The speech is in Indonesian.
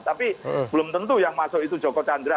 tapi belum tentu yang masuk itu joko chandra